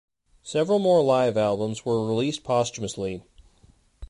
Several more live albums were released posthumously.